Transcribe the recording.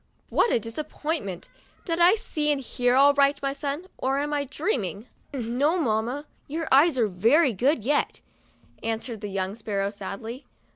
"What a disappointment ! Did I see and hear all right, my son, or am I dreaming?" "No, mamma, your eyes are very good yet," an swered the young sparrow, sadly.